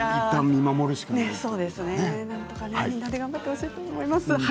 みんなで頑張ってほしいと思います。